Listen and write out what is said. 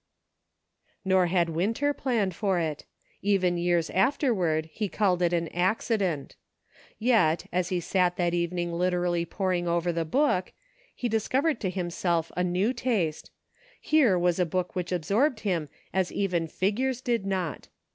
Nor had Winter planned for it ; even years after ward he called it an "accident." Yet, as he sat that evening literally poring over the book, he discovered to himself a new taste ; here was a book which absorbed him as even figures did not.